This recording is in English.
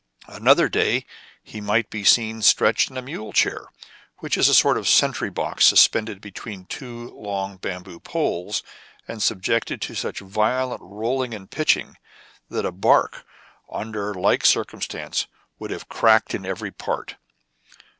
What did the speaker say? Another day he might be seen stretched in a mule chair, which is a sort of sentry box suspended between two long bamboo poles, and subjected to such vio lent rolling and pitching, that a bark under like circumstances would have cracked in every part.